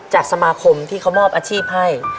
จากสมาคมที่เขามอบอาชีพให้